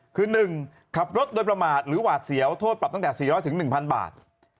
คือ๑ขับรถโดยประมาทหรือหวาดเสียวโทษปรับตั้งแต่๔๐๐๑๐๐บาท